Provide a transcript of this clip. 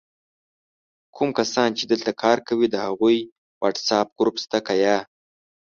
کوم کسان چې دلته کار کوي د هغوي وټس آپ ګروپ سته که یا؟!